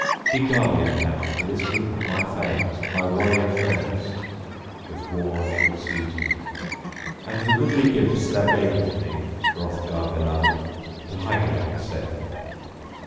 Be guardian, thou, to this group of my thanes, my warrior friends, if War should seize me; and the goodly gifts thou gavest me, Hrothgar beloved, to Hygelac send!